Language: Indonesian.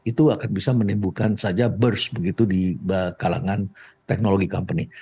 itu akan bisa menimbulkan saja burst begitu di kalangan teknologi company